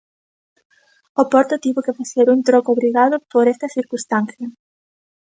O Porto tivo que facer un troco obrigado por esta circunstancia.